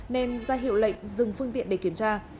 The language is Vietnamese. nên ra hiệu lệnh dừng phương tiện để kiểm tra